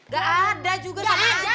gak ada juga sama dia